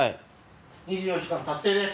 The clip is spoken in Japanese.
２４時間達成です。